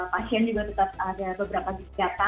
pasien juga tetap ada beberapa disiapkan